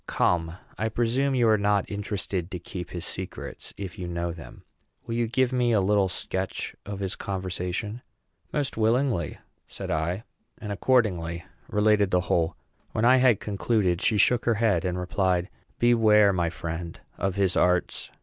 Come, I presume you are not interested to keep his secrets if you know them; will you give me a little sketch of his conversation?" "Most willingly," said I, and accordingly related the whole. When I had concluded, she shook her head, and replied, "Beware, my friend, of his arts.